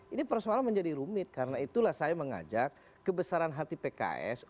ini persoalan menjadi rumit karena itulah saya mengajak kebesaran hati pks